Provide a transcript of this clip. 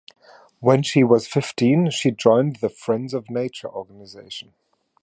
When she was fifteen she joined the "Friends of Nature" organization.